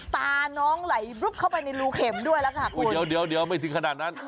ตาน้องไหลบลึบเข้าไปในรูเข็มด้วยแล้วค่ะโอ้ยเดี๋ยวเดี๋ยวไม่ถึงขนาดนั้น